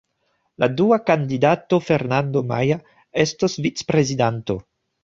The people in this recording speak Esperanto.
La dua kandidato, Fernando Maia, estos vicprezidanto.